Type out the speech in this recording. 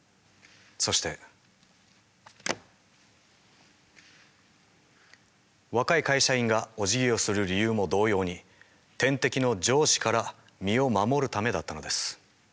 そして若い会社員がおじぎをする理由も同様に天敵の上司から身を守るためだったのです。